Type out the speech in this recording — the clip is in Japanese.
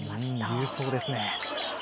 勇壮ですね。